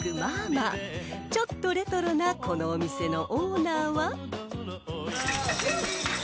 ［ちょっとレトロなこのお店のオーナーは］